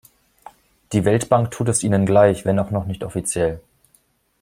Die Weltbank tut es ihnen gleich, wenn auch noch nicht offiziell.